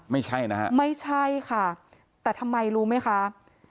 ไม่ใช่นะฮะไม่ใช่ค่ะแต่ทำไมรู้ไหมคะ